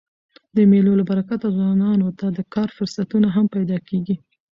د مېلو له برکته ځوانانو ته د کار فرصتونه هم پیدا کېږي.